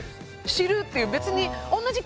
「知る」っていう。